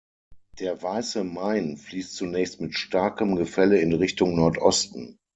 Der Weiße Main fließt zunächst mit starkem Gefälle in Richtung Nordosten.